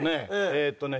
えっとね